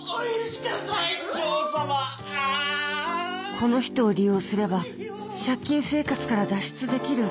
この人を利用すれば借金生活から脱出できる